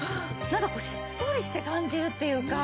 なんかこうしっとりして感じるというか。